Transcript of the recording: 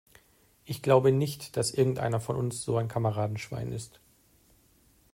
Ich glaube nicht, dass irgendeiner von uns so ein Kameradenschwein ist.